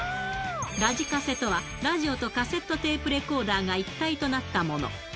ラジカセとは、ラジオとカセットテープレコーダーが一体となったもの。